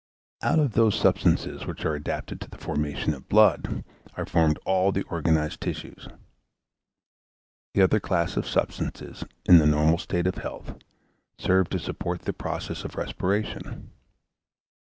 Out of those substances which are adapted to the formation of blood, are formed all the organised tissues. The other class of substances, in the normal state of health, serve to support the process of respiration.